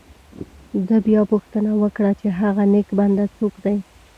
ده بیا پوښتنه وکړه چې هغه نیک بنده څوک دی.